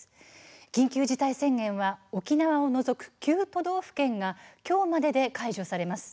緊急事態宣言は沖縄を除く９都道府県がきょうまでで解除されます。